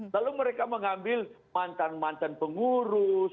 lalu mereka mengambil mantan mantan pengurus